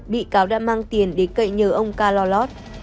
bị cáo đã mang tiền để cậy nhờ ông ca lo lót